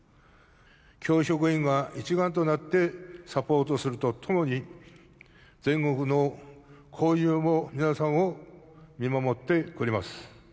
教職員が一丸となってサポートするとともに、全国の校友も皆さんを見守ってくれます。